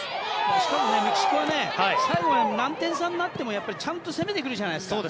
しかもメキシコは最後まで何点差になってもちゃんと攻めてくるじゃないですか。